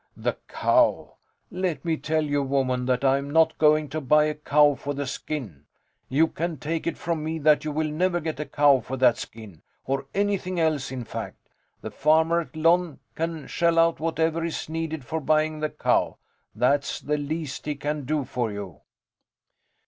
The cow? Let me tell you, woman, that I am not going to buy a cow for the skin. You can take it from me that you will never get a cow for that skin. Or anything else, in fact. The farmer at Lon can shell out whatever is needed for buying the cow. That's the least he can do for you.